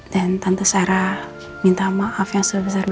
dan tante sarah minta maaf yang serba serba terjadi